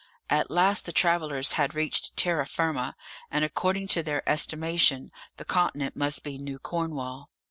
At last the travellers had reached terra firma, and, according to their estimation, the continent must be New Cornwall.